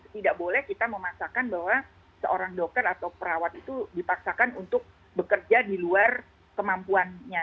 tidak boleh kita memaksakan bahwa seorang dokter atau perawat itu dipaksakan untuk bekerja di luar kemampuannya